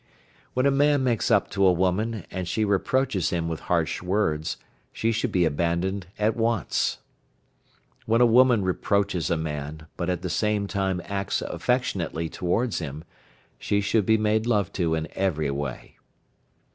When a man makes up to a woman, and she reproaches him with harsh words, she should be abandoned at once. When a woman reproaches a man, but at the same time acts affectionately towards him, she should be made love to in every way.